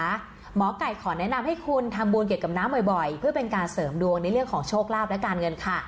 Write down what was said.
หมอไก่ขอแนะนำให้คุณทำบุญเกี่ยวกับน้ำบ่อยเพื่อเป็นการเสริมดวงในเรื่องของโชคลาภและการเงินค่ะ